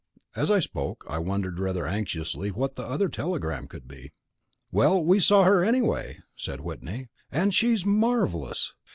As I spoke, I wondered rather anxiously what the other telegram could be. "Well, we saw her, anyway!" said Whitney, "and she's marvellous!